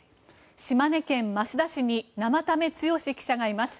島根県益田市に生田目剛記者がいます。